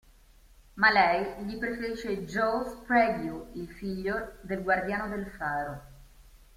Ma lei gli preferisce Jo Sprague, il figlio del guardiano del faro.